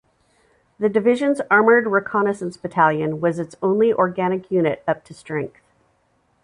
The division's armored reconnaissance battalion was its only organic unit up to strength.